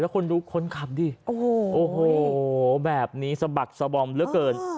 คุณดูคนขับดิโอ้โหแบบนี้สะบักสะบอมเหลือเกิน